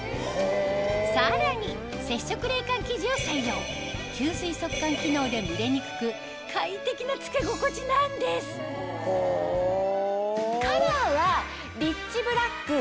さらに接触冷感生地を採用吸水速乾機能で蒸れにくく快適な着け心地なんですカラーは。